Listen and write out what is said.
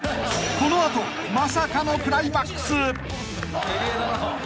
［この後まさかのクライマックス］